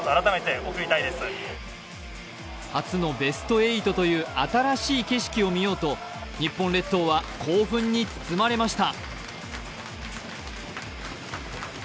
初のベスト８という新しい景色を見ようと日本列島は興奮に包まれました。